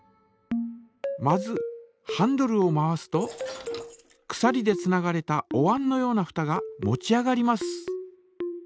まずハンドルを回すとくさりでつながれたおわんのようなふたが持ち上がります。